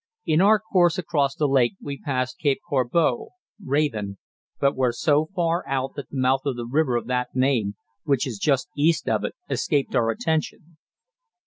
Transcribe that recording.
In our course across the lake we passed Cape Corbeau (Raven), but were so far out that the mouth of the river of that name, which is just east of it, escaped our attention.